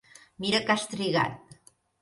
Mira que has trigat.